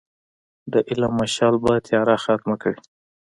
د علم مشعل به تیاره ختمه کړي.